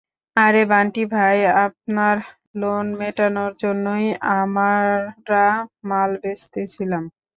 আরে বান্টি-ভাই, আপনার লোন মেটানোর জন্যই আমরা মাল বেচতেছিলাম।